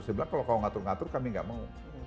saya bilang kalau ngatur ngatur kami gak mau